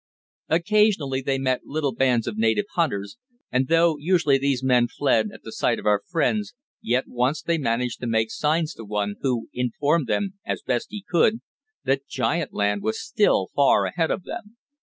Occasionally they met little bands of native hunters, and, though usually these men fled at the sight of our friends, yet once they managed to make signs to one, who, informed them as best he could, that giant land was still far ahead of them.